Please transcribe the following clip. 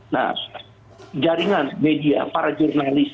nah jaringan media para jurnalis